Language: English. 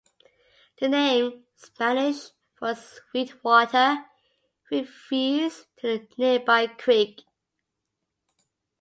The name, Spanish for "sweet water", refers to a nearby creek.